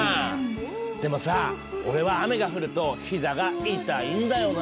でもさオレは雨が降ると膝が痛いんだよな。